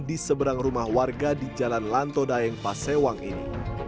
di seberang rumah warga di jalan lanto daeng pasewang ini